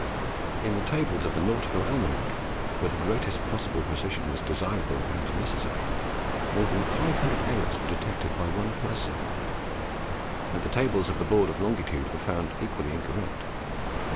In the tables of the Nautical Almanac, where the greatest possible precision was desirable and necessary, more than five hundred errors were detected by one person; and the Tables of the Board of Longitude were found equally incorrect.